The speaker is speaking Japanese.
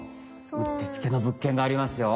うってつけの物件がありますよ。